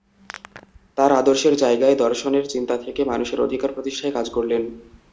তাঁর আদর্শের জায়গায়, দর্শনের চিন্তা থেকে মানুষের অধিকার প্রতিষ্ঠায় কাজ করলেন।